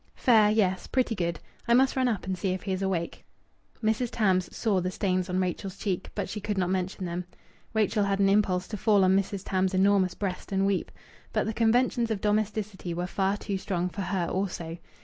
"Fair. Yes, pretty good. I must run up and see if he is awake." Mrs. Tams saw the stains on Rachel's cheeks, but she could not mention them. Rachel had an impulse to fall on Mrs. Tams' enormous breast and weep. But the conventions of domesticity were far too strong for her also.